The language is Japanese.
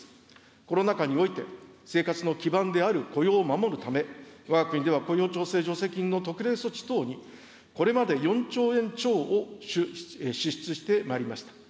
コロナ禍において、生活の基盤である雇用を守るため、わが国では雇用調整助成金の特例措置等に、これまで４兆円超を支出してまいりました。